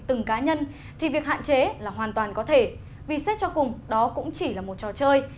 từng cá nhân thì việc hạn chế là hoàn toàn có thể vì xét cho cùng đó cũng chỉ là một trò chơi